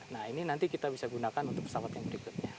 nah ini nanti kita bisa gunakan untuk pesawat yang berikutnya